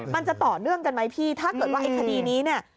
มันจะต่อเนื่องกันไหมพี่ถ้าเกิดคดีนี้